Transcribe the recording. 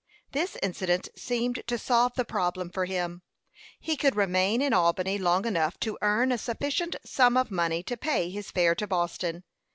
This incident seemed to solve the problem for him. He could remain in Albany long enough to earn a sufficient sum of money to pay his fare to Boston.